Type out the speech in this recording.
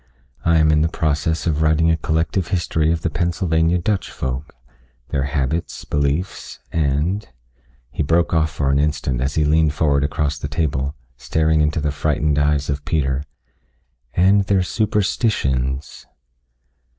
I am in the process of writing a collective history of the Pennsylvania Dutch folk, their habits, beliefs, and " he broke off for an instant as he leaned forward across the table, staring into the frightened eyes of Peter " and their superstitions."